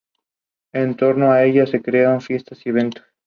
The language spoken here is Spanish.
Otro aspecto interesante es la interacción con el jugo de toronja o pomelo.